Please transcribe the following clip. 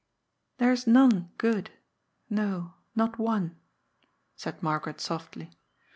" There is none good, no, not one," said Margaret softly.